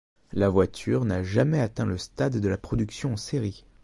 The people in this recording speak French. La voiture n’a jamais atteint le stade de la production en série.